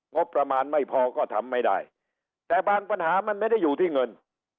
งบประมาณไม่พอก็ทำไม่ได้แต่บางปัญหามันไม่ได้อยู่ที่เงิน